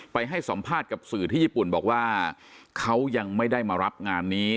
ให้สัมภาษณ์กับสื่อที่ญี่ปุ่นบอกว่าเขายังไม่ได้มารับงานนี้